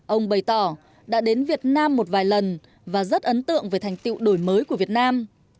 ông bày tỏ đã đến việt nam một vài lần và rất ấn tượng về thành tiệu đổi mới của việt nam